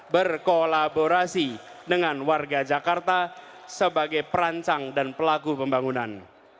berkolaborasi dengan warga jakarta sebagai perancang dan pelaku pembangunan